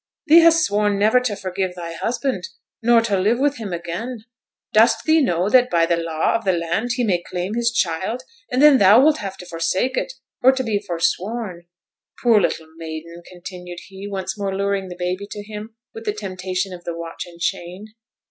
'Thee hast sworn never to forgive thy husband, nor to live with him again. Dost thee know that by the law of the land, he may claim his child; and then thou wilt have to forsake it, or to be forsworn? Poor little maiden!' continued he, once more luring the baby to him with the temptation of the watch and chain.